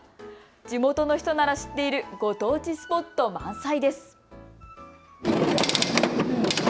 地元の人なら知っているご当地スポット満載です。